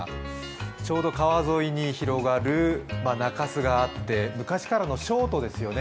ちょうど川沿いに広がる中州があって昔からの小都ですよね。